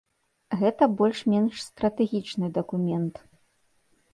Гэта больш-менш стратэгічны дакумент.